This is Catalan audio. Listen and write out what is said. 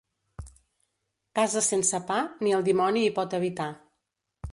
Casa sense pa, ni el dimoni hi pot habitar.